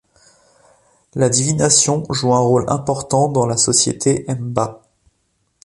La divination joue un rôle important dans la société hemba.